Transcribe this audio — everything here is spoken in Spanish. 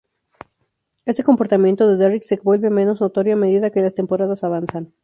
Este comportamiento de Derrick se vuelve menos notorio a medida que las temporadas avanzan.